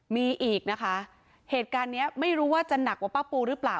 มีอีกนะคะเหตุการณ์เนี้ยไม่รู้ว่าจะหนักกว่าป้าปูหรือเปล่า